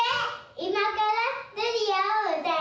いまから「☆ルリア」をうたいます。